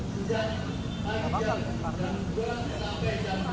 sejak pagi jam jam dua sampai jam delapan